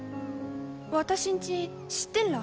私んち知ってんら？